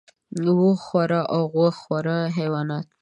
وښ خوره او غوښ خوره حیوانان